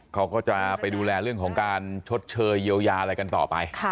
เขาก็จะไปดูแลเรื่องของการชดเชยเยียวยาอะไรกันต่อไป